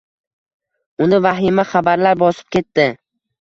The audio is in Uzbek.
Uni vahima xabarlar bosib ketdi.